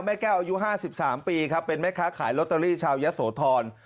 แก้วอายุ๕๓ปีครับเป็นแม่ค้าขายลอตเตอรี่ชาวยะโสธร